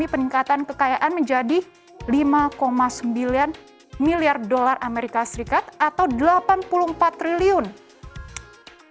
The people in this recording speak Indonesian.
dia memiliki kekayaan yang lebih besar dari lima sembilan miliar dolar as atau delapan puluh empat triliun rupiah